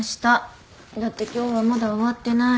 だって今日はまだ終わってないの。